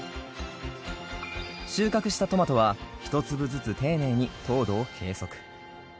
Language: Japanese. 収穫したトマトは１粒ずつ丁寧に糖度を計測。